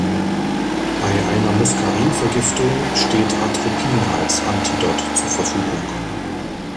Bei einer Muscarin-Vergiftung steht Atropin als Antidot zur Verfügung.